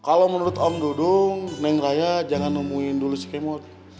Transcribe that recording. kalau menurut om dudung neng raya jangan nemuin dulu skemot